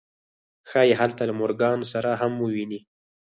ښایي هلته له مورګان سره هم وویني